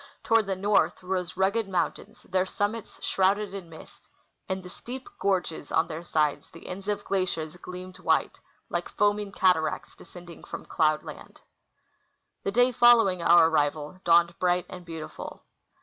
Toward the north rose rugged mountains, their summits shrouded in mist; in the steep gorges on their sides the ends of glaciers gleamed white, like foaming cataracts descending from cloudland. The day following' our arrival dawned bright and beautiful.